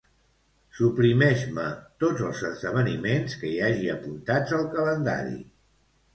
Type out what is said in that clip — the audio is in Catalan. Suprimeix-me tots els esdeveniments que hi hagi apuntats al calendari.